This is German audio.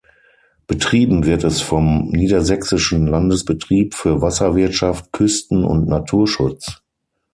Betrieben wird es vom Niedersächsischen Landesbetrieb für Wasserwirtschaft, Küsten- und Naturschutz.